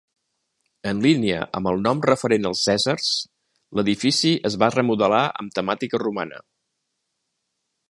En línia amb el nom referent als cèsars, l'edifici es va remodelar amb temàtica romana.